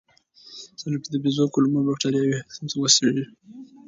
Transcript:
څېړونکو د بیزو کولمو بکتریاوې هم وڅېړې.